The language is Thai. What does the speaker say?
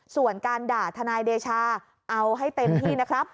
ส่วนการด่าทนายเดชาเอาให้เต็มที่นะครับ